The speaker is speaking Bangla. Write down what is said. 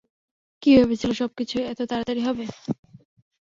কে ভেবেছিল, সবকিছু এতো তাড়াতাড়ি হবে।